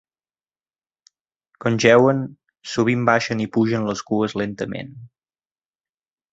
Quan jeuen, sovint baixen i pugen les cues lentament.